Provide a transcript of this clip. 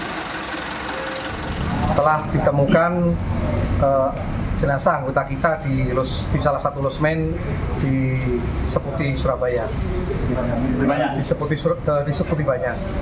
setelah ditemukan jenazah anggota kita di salah satu lossman di seputi surabaya